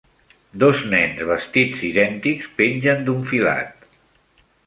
Dos nens vestits idèntics pengen d'un filat.